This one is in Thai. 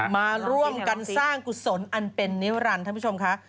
มาร่วมกันสร้างกุศลอันเป็นนิรันดิท่านผู้ชมค่ะ